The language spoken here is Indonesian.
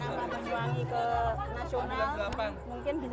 mungkin bisa jadi ke nasional